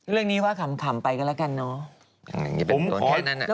เรื่องนี้ว่าขำไปกันแล้วกันเนาะ